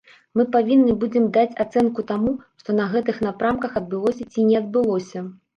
Мы павінны будзем даць ацэнку таму, што на гэтых напрамках адбылося ці не адбылося.